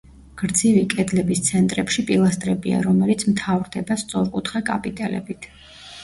გრძივი კედლების ცენტრებში პილასტრებია, რომელიც მთავრდება სწორკუთხა კაპიტელებით.